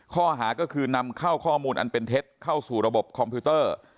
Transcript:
ข้อหาก็คือนำเข้าข้อมูลอันเป็นเท็จเข้าสู่ระบบคอมพิวเตอร์